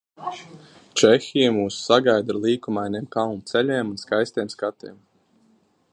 Čehija mūs sagaida ar līkumainiem kalnu ceļiem un skaistiem skatiem.